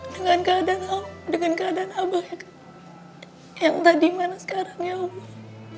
dengan keadaan abah yang tadi mana sekarang ya allah